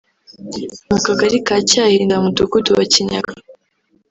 mu Kagari ka Cyahinda mu Mudugudu wa Kinyaga